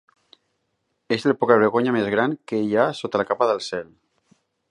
És el pocavergonya més gran que hi ha sota la capa del cel.